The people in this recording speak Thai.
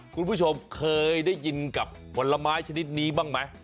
คุณผู้ชมเคยได้ยินกับผลไม้ชนิดนี้บ้างไหม